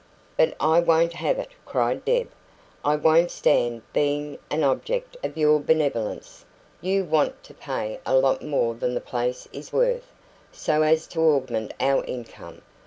"But I won't have it!" cried Deb. "I won't stand being an object of your benevolence. You want to pay a lot more than the place is worth, so as to augment our income.